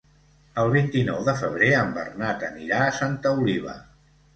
El vint-i-nou de febrer en Bernat anirà a Santa Oliva.